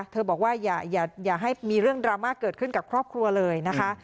บอกว่าอย่าให้มีเรื่องดราม่าเกิดขึ้นกับครอบครัวเลยนะคะ